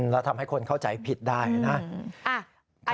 แล้วทำให้คนเข้าใจผิดได้นะ